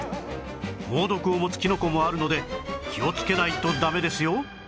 猛毒を持つキノコもあるので気をつけないとダメですよ